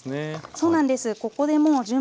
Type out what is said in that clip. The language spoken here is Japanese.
そうなんです。